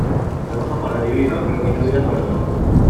Trabaja para vivir y no vivas para trabajar.